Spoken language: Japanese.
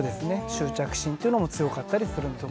執着心というのも強かったりするんで。